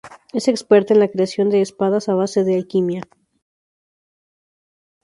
Es experta en la creación de espadas a base de alquimia.